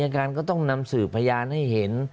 การก็ต้องนำสืบพยานให้เห็น